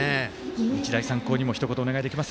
日大三高にもひと言お願いします。